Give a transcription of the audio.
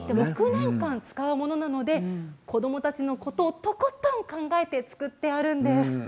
６年間使うものなので子どもたちのことをとことん考えて作られているんです。